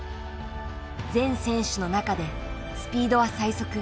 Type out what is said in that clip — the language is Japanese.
全選手の中でスピードは最速。